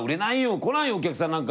来ないよお客さんなんか。